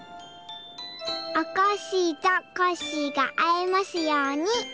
「おこっしぃとコッシーが会えますように」。